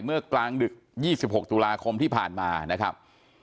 เมื่อกลางดึก๒๖ตุลาคมที่ผ่านมานะครับ